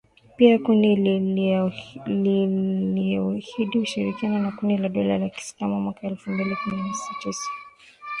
Pia kundi liliahidi ushirika na Kundi la dola ya Kiislamu mwaka elfu mbili kumi na tisa